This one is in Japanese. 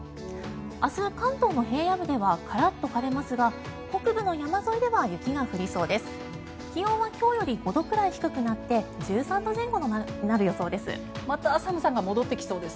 明日、関東の平野部ではカラッと晴れますが北部の山沿いでは雪が降りそうです。